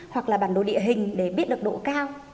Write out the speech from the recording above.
hoặc là bản đồ địa hình để biết được độ cao